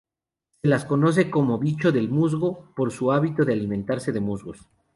Se las conoce como bicho del musgo, por su hábito de alimentarse de musgos.